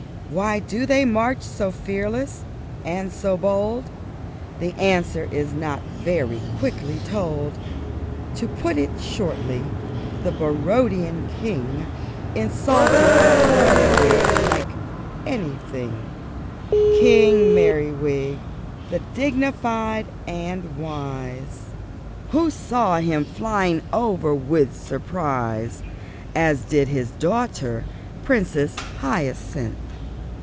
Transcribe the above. Why do they march so fearless and so bold? The answer is not very quickly told. To put it shortly, the Barodian king _Insulted Merriwig like anything _ King Merriwig, the dignified and wise, Who saw him flying over with surprise, _As did his daughter, Princess Hyacinth.